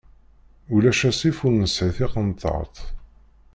Ulac asif, ur nesɛi tiqenṭeṛt.